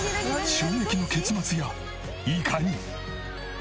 衝撃の結末やいかに！？